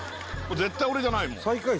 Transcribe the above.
絶対俺じゃないもん最下位